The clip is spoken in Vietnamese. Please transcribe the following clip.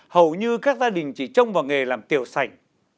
hầu như các gia đình chỉ trông vào nghề làm tiểu sành